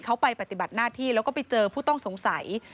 เขาไปปฏิบัติหน้าที่แล้วก็ไปเจอผู้ต้องสงสัย